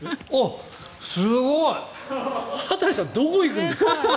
すごい！羽鳥さんどこに行くんですか？